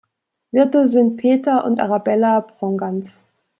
Wirte sind Peter und Arabella Pongratz.